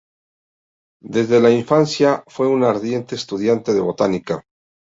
Desde la infancia, fue un ardiente estudiante de botánica.